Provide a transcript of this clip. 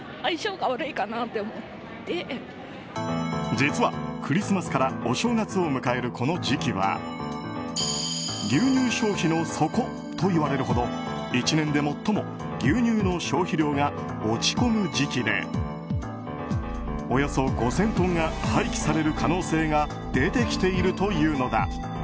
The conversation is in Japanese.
実は、クリスマスからお正月を迎えるこの時期は牛乳消費の底と言われるほど１年で最も牛乳の消費量が落ち込む時期でおよそ５０００トンが廃棄される可能性が出てきているというのだ。